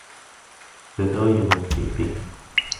صدای موسیقی